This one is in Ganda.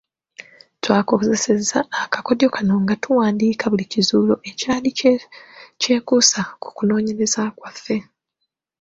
Twakozesa akakodyo kano nga tuwandiika buli kizuulo ekyali kyekuusa ku kunoonyereza kwaffe.